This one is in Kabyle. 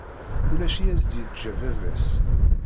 Ulac i as-d-yeǧǧa baba-s